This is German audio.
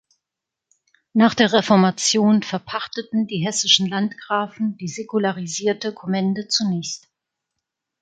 Nach der Reformation verpachteten die hessischen Landgrafen die säkularisierte Kommende zunächst.